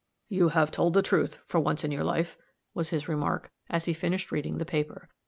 "You have told the truth, for once in your life," was his remark, as he finished reading the paper.